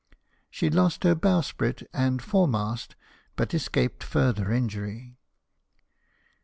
She lost her bowsprit and foremast, but escaped further injury.